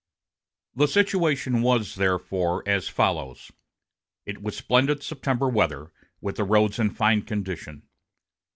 The situation was therefore, as follows: It was splendid September weather, with the roads in fine condition.